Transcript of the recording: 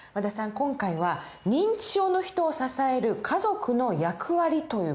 今回は認知症の人を支える家族の役割という事ですね。